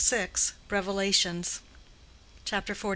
—REVELATIONS CHAPTER XLI.